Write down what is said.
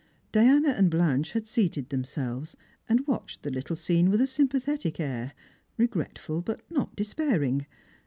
Diana and Blanche had seated themselves, and watched the little scene with a sympathetic air, regretful but not despairing.